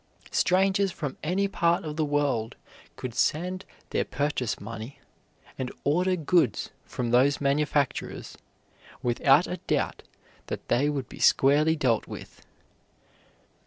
Strangers from any part of the world could send their purchase money and order goods from those manufacturers without a doubt that they would be squarely dealt with.